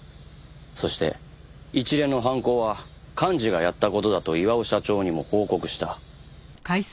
そして一連の犯行は寛二がやった事だと巌社長にも報告した。